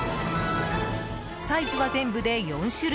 サイズは全部で４種類。